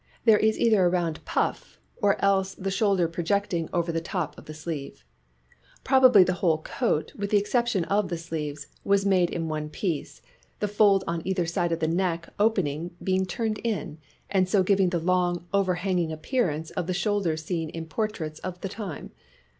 There is either a round puff, or else the shoulder projecting over the top of the sleeve. Probably the whole coat, with the exception of the sleeves, was made in one piece ; the fold on either side of the neck opening being turned in, and so giving the long, overhanging appearance of the shoulder seen in portraits of the time.